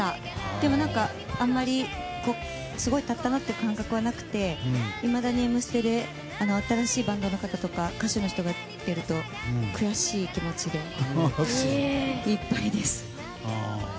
でも、あまりすごい経ったなという感覚はなくていまだに「Ｍステ」で新しいバンドの方とか歌手の人が出ると悔しい気持ちでいっぱいです。